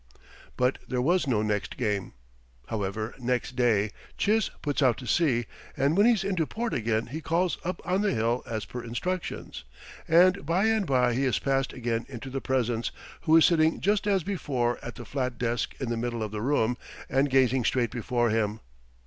But there was no next game. However, next day Chiz puts out to sea, and when he's into port again he calls up on the hill as per instructions. And by and by he is passed again into the presence, who is sitting just as before at the flat desk in the middle of the room, and gazing straight before him.